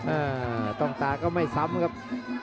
อ่าต้องตาก็ไม่ซ้ำครับ